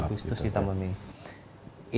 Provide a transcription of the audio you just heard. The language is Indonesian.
oke agustus di taman mini